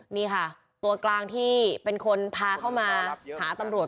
นี่ค่ะตัวกลางที่เป็นคนพาเข้ามาหาตำรวจ